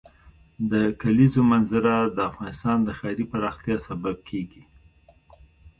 د کلیزو منظره د افغانستان د ښاري پراختیا سبب کېږي.